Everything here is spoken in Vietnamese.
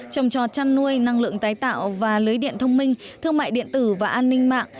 trồng trọt chăn nuôi năng lượng tái tạo và lưới điện thông minh thương mại điện tử và an ninh mạng